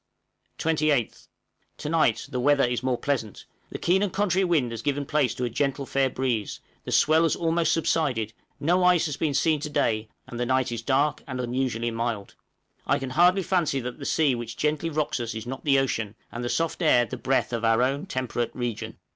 28th. To night the weather is more pleasant; the keen and contrary wind has given place to a gentle, fair breeze, the swell has almost subsided, no ice has been seen to day, and the night is dark and unusually mild. I can hardly fancy that the sea which gently rocks us is not the ocean, and the soft air the breath of our own temperate region!